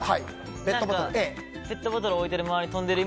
ペットボトルを置いている周り